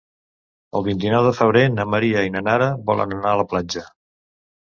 El vint-i-nou de febrer na Maria i na Nara volen anar a la platja.